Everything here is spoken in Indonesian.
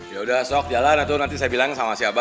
yaudah sok jalan atu nanti saya bilang sama siapa